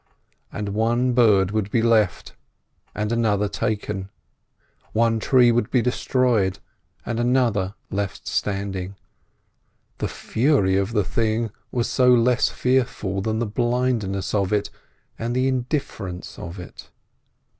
And one bird would be left and another taken, one tree destroyed, and another left standing. The fury of the thing was less fearful than the blindness of it, and the indifference of it.